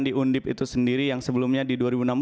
di undip itu sendiri yang sebelumnya di